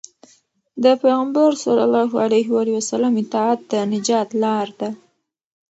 د پيغمبر ﷺ اطاعت د نجات لار ده.